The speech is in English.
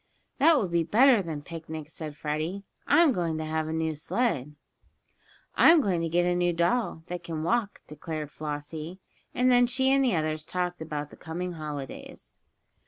"That will be better than picnics," said Freddie. "I'm going to have a new sled." "I'm going to get a new doll, that can walk," declared Flossie, and then she and the others talked about the coming holidays.